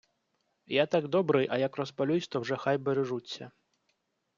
Я так добрий, а як розпалюсь, то вже хай бережуться...